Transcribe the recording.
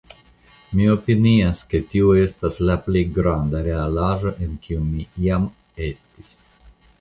Mi opinias ke tio estas la plej granda realaĵo en kiu mi iam estis.